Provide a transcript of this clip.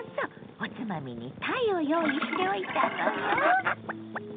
おつまみにたいを用意しておいたのよ。